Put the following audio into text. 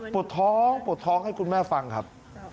ปวดท้องปวดท้องให้คุณแม่ฟังครับ